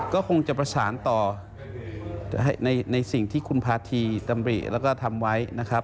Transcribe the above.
ก็คงจะประสานต่อในสิ่งที่คุณพาธีดำริแล้วก็ทำไว้นะครับ